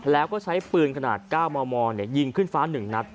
แล้วก็ใช้ปืนขนาด๙มมยิงขึ้นฟ้า๑นัด